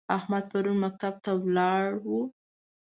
احمدن پرون مکتب ته لاړ و؟